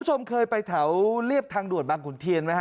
ชมเคยไปแถวเรียบทางด่วนบางขุนเทียนมั้ยคะ